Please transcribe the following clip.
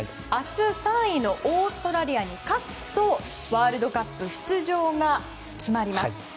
明日、３位のオーストラリアに勝つとワールドカップ出場が決まります。